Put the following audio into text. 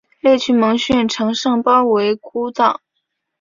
沮渠蒙逊乘胜包围姑臧。